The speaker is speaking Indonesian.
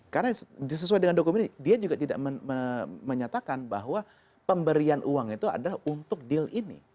karena sesuai dengan dokumen ini dia juga tidak menyatakan bahwa pemberian uang itu adalah untuk deal ini